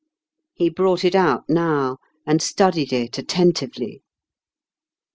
He brought it out now, and studied it at tentively.